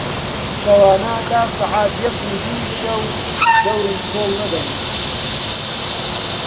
شەوانە تا سەعات یەک و دووی شەو دەورم چۆڵ نەدەبوو